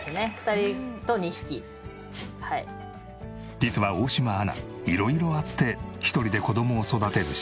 実は大島アナ色々あって１人で子供を育てるシングルマザー。